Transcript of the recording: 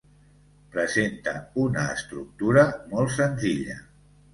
Presenta una estructura molt senzilla.